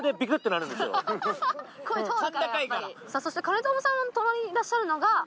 そして金朋さんの隣にいらっしゃるのが。